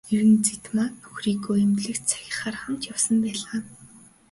Эрэгзэдмаа нөхрийгөө эмнэлэгт сахихаар хамт явсан байлаа.